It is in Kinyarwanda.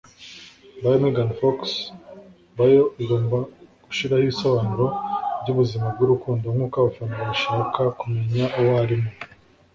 Bio Megan Fox bio igomba gushiramo ibisobanuro byubuzima bwurukundo, nkuko abafana bashaka kumenya uwo arimo!